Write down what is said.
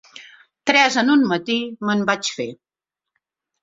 Tres en un matí, me'n vaig fer.